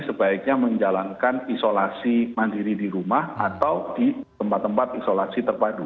sebaiknya menjalankan isolasi mandiri di rumah atau di tempat tempat isolasi terpadu